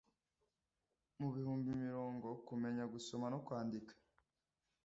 mu bihumbi mirongo kumenya gusoma no kwandika